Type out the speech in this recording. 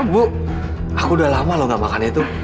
bu aku udah lama loh gak makannya itu